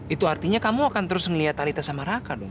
itu artinya kamu akan terus melihat talita sama raka dong